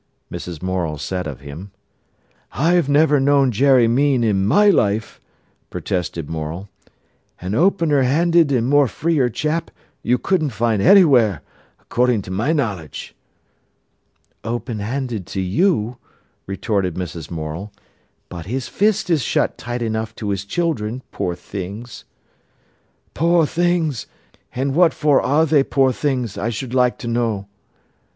Mrs. Morel said of him. "I've never known Jerry mean in my life," protested Morel. "A opener handed and more freer chap you couldn't find anywhere, accordin' to my knowledge." "Open handed to you," retorted Mrs. Morel. "But his fist is shut tight enough to his children, poor things." "Poor things! And what for are they poor things, I should like to know."